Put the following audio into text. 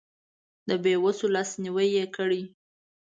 د بې وسو لاسنیوی یې کړی.